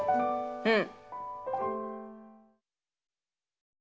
うん。